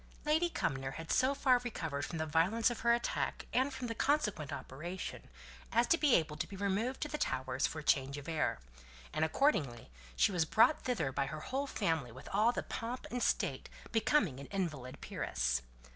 Lady Cumnor had so far recovered from the violence of her attack, and from the consequent operation, as to be able to be removed to the Towers for change of air; and accordingly she was brought thither by her whole family with all the pomp and state becoming an invalid peeress.